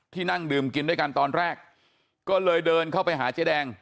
นั่งดื่มกินด้วยกันตอนแรกก็เลยเดินเข้าไปหาเจ๊แดง